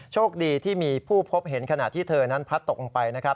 โชคดีที่มีผู้พบเห็นขณะที่เธอนั้นพัดตกลงไปนะครับ